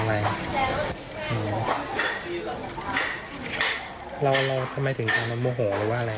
ทำไมถึงทำโมโหหรือว่าอะไร